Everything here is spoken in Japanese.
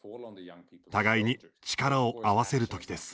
互いに力を合わせるときです。